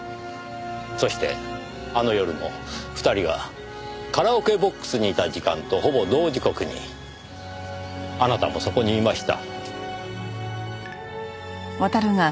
そしてあの夜も２人がカラオケボックスにいた時間とほぼ同時刻にあなたもそこにいました。